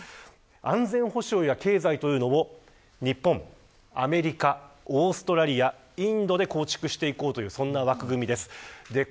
安全保障や経済というのを日本、アメリカ、オーストラリアインドで構築していこうというそんな枠組みです。